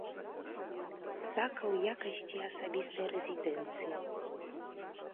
Сака ў якасці асабістай рэзідэнцыі.